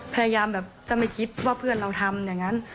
พยายามแบบจะไม่คิดว่าเพื่อนเราทำอย่างนั้น